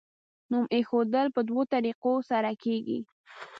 نوم ایښودل په دوو طریقو سره کیږي.